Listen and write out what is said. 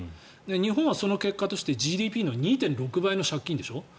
日本はその結果としてＧＤＰの２．６倍の借金でしょ。